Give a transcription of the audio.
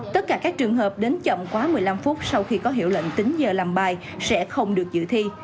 tất cả các trường hợp đến chậm quá một mươi năm phút sau khi có hiệu lệnh tính giờ làm bài sẽ không được giữ thi